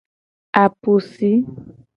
Apusi.